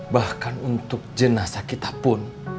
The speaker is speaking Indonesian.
bahkan untuk jenazah kita pun